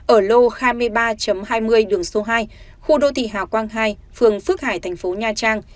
ở lô hai mươi ba hai mươi đường số hai khu đô thị hà quang hai phường phước hải thành phố nha trang